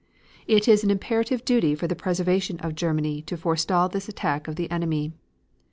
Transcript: It is an imperative duty for the preservation of Germany to forestall this attack of the enemy.